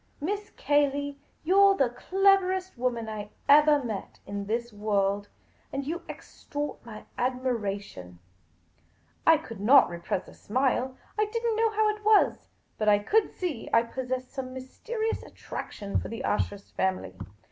Miss Cayley, you 're the cleverest woman I evali met in this world ; you extort my admira tion !" I could not repress a smile. I did n't know how it was, but I could see I possessed some mysterious attraction for the Ashurst family.